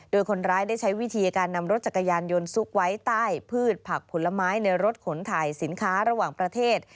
โดยคนร้ายได้ใช้วิธีการนำรถจักรยานยนต์ซุกไว้ใต้พืชผักผลไม้ในรถขนถ่ายสินค้าระหว่างประเทศ